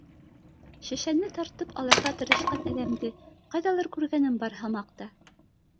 Шешәне тартып алырға тырышҡан әҙәмде ҡайҙалыр күргәнем бар һымаҡ та.